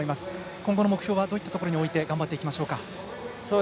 今後の目標はどういったところに置いて、頑張っていきましょうか。